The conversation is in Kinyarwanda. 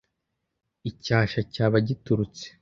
Icyasha cyaba giturutse